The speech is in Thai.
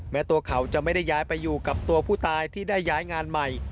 แม้ตัวเขาจะไม่ได้ย้ายไปอยู่กับตัวผู้ตายที่ได้ย้ายงานใหม่